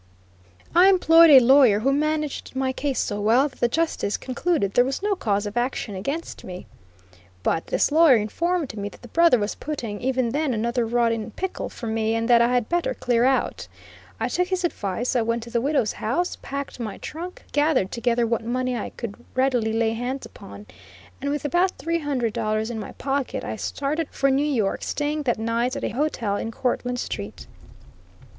I employed a lawyer who managed my case so well that the justice concluded there was no cause of action against me. But this lawyer informed me that the brother was putting, even then, another rod in pickle for me, and that I had better clear out. I took his advice, I went to the widow's house, packed my trunk, gathered together what money I could readily lay hands upon, and with about $300 in my pocket, I started for New York, staying that night at a hotel in Courtland street.